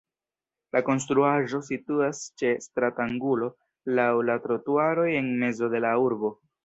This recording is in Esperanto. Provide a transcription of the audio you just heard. La konstruaĵo situas ĉe stratangulo laŭ la trotuaroj en mezo de la urbo.